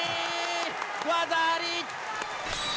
技あり！